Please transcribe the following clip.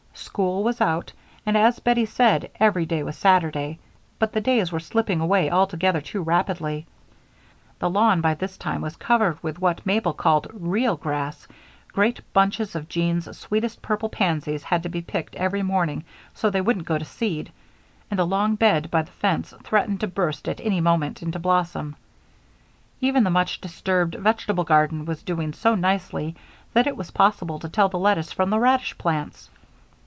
School was out, and, as Bettie said, every day was Saturday, but the days were slipping away altogether too rapidly. The lawn, by this time, was covered with what Mabel called "real grass," great bunches of Jean's sweetest purple pansies had to be picked every morning so they wouldn't go to seed, and the long bed by the fence threatened to burst at any moment into blossom. Even the much disturbed vegetable garden was doing so nicely that it was possible to tell the lettuce from the radish plants.